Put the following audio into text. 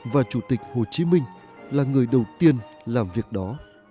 và chủ tịch hồ chí minh là người đầu tiên làm việc đó